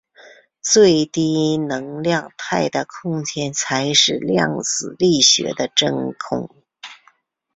最低能量态的空间才是量子力学的真空。